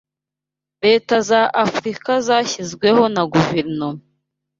leta za Africa zashyizweho na guverinoma